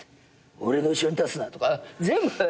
「俺の後ろに立つな」とか全部。